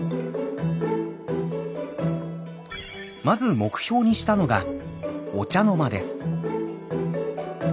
まず目標にしたのが「御茶之間」です。